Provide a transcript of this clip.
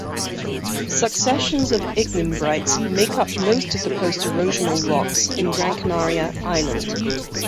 Successions of ignimbrites make up most of the post-erosional rocks in Gran Canaria Island.